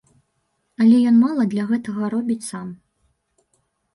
Але ён мала для гэтага робіць сам.